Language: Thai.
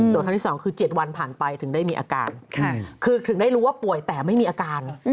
ครั้งที่๒คือ๗วันผ่านไปถึงได้มีอาการคือถึงได้รู้ว่าป่วยแต่ไม่มีอาการ